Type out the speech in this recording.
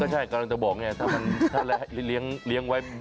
ใช่กำลังจะบอกไงถ้าเลี้ยงไว้